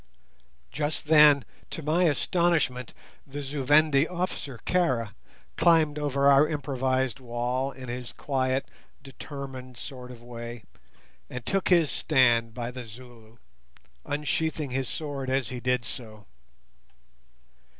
Just then, to my astonishment, the Zu Vendi officer Kara clambered over our improvised wall in his quiet, determined sort of way, and took his stand by the Zulu, unsheathing his sword as he did so.